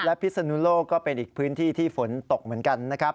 พิศนุโลกก็เป็นอีกพื้นที่ที่ฝนตกเหมือนกันนะครับ